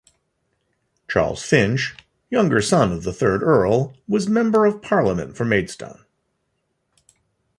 Charles Finch, younger son of the third Earl, was Member of Parliament for Maidstone.